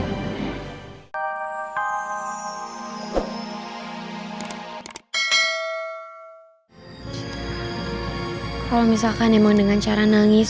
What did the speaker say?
kalau misalkan emang dengan cara nangis